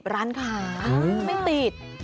๓๒๐รันค่ะไม่ติด